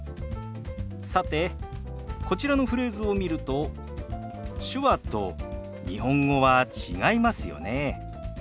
さてこちらのフレーズを見ると手話と日本語は違いますよね。